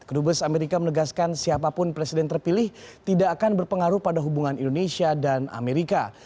dubes amerika menegaskan siapapun presiden terpilih tidak akan berpengaruh pada hubungan indonesia dan amerika